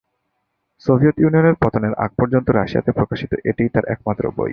Soviet ইউনিয়নের পতনের আগ পর্যন্ত রাশিয়াতে প্রকাশিত এটিই তার একমাত্র বই।